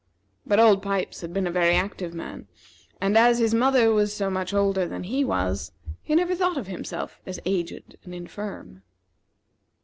But Old Pipes had been a very active man, and as his mother was so much older than he was, he never thought of himself as aged and infirm.